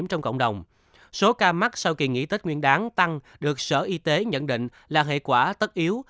tăng được sở y tế nhận định là hệ quả tất yếu